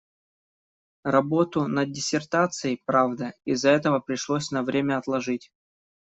Работу над диссертацией, правда, из‑за этого пришлось на время отложить.